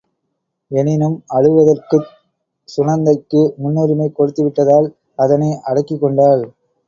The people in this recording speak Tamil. எனினும் அழுவதற்குச் சுநந்தைக்கு முன்னுரிமை கொடுத்து விட்டதால் அதனை அடக்கிக் கொண்டாள்.